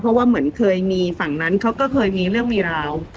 เพราะว่าเหมือนเคยมีฝั่งนั้นเขาก็เคยมีเรื่องมีราว